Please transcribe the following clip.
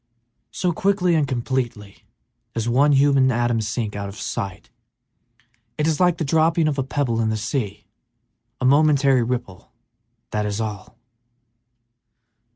So quickly and completely does one human atom sink out of sight! It is like the dropping of a pebble in the sea: a momentary ripple, that is all!